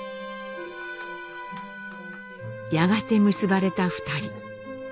やがて結ばれた２人。